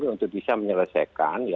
untuk bisa menyelesaikan